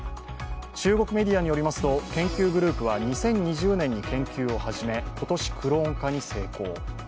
中国メディアによりますと研究グループは２０２０年に研究を始め今年クローン化に成功。